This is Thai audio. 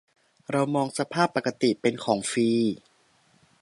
เรามองสภาพปกติเป็นของฟรี